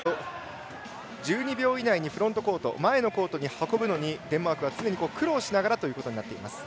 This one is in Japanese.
１２秒以内にフロントコートに運ぶのにデンマークは常に苦労しながらということになっています。